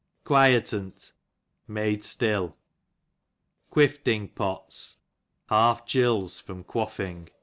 Qaipt'n, made still. Quifting Pots, half gills^ from quaffing.